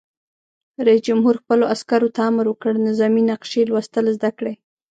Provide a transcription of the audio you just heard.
رئیس جمهور خپلو عسکرو ته امر وکړ؛ نظامي نقشې لوستل زده کړئ!